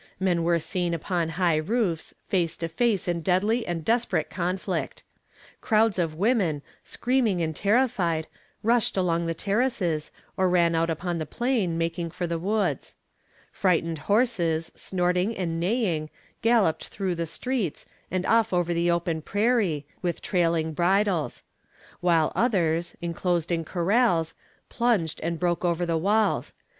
Men were seen upon high roofs, face to face in deadly and desperate conflict. Crowds of women, screaming and terrified, rushed along the terraces, or ran out upon the plain, making for the woods. Frightened horses, snorting and neighing, galloped through the streets, and off over the open prairie, with trailing bridles; while others, inclosed in corrals, plunged and broke over the walls.